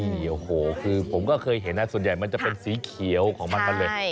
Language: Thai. โอ้โหคือผมก็เคยเห็นนะส่วนใหญ่มันจะเป็นสีเขียวของมันมันเลย